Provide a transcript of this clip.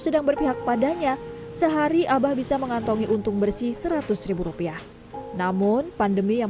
sedang berpihak padanya sehari abah bisa mengantongi untung bersih seratus rupiah namun pandemi yang